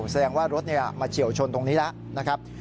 แสดงว่ารถมาเฉียวชนตรงนี้แล้วนะครับ